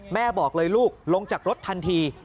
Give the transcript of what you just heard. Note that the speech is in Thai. บอกเลยลูกลงจากรถทันที